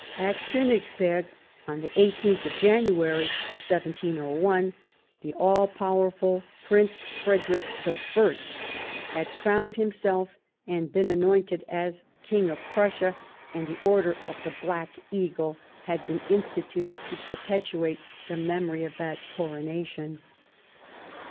At Konigsberg, on the i8th of January, 170 1, " the All powerful Prince Frederick I " had crowned himself and been anointed as King of Prussia, and the Order of the Black Eagle had been instituted to perpetuate the memory of that coronation.